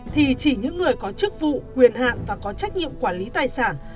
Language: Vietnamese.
thì chỉ những người có chức vụ quyền hạn và có trách nhiệm quản lý tài sản